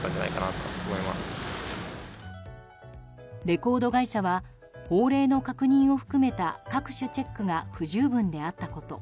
レコード会社は、法令の確認を含めた各種チェックが不十分であったこと。